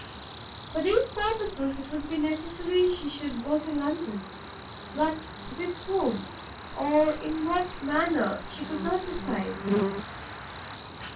For these purposes it would be necessary she should go to London: but with whom, or in what manner, she could not decide.